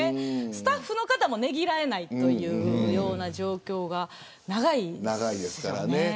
スタッフの方もねぎらえないという状況が長いです。